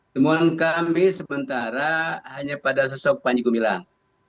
temuan kami sementara hanya pada sosok panji gumilang